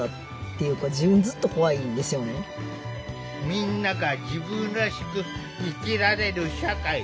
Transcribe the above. みんなが自分らしく生きられる社会。